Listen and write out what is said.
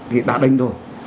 thì đã đánh rồi